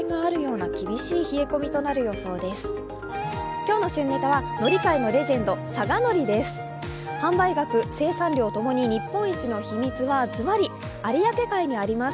今日の旬ネタはのり界のレジェンド、佐賀のりです。